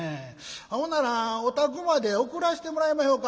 ほならお宅まで送らせてもらいまひょか」。